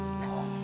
あ。